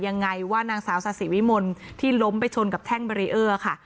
ยังไงว่านางสาวซาสิวิมลที่ล้มไปชนกับแท่งเบรีเออร์ค่ะ